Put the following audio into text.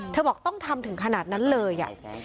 บอกต้องทำถึงขนาดนั้นเลย